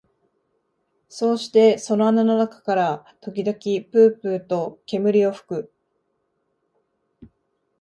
そうしてその穴の中から時々ぷうぷうと煙を吹く